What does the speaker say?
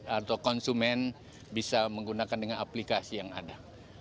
atau konsumen bisa menggunakan dengan aplikasi yang ada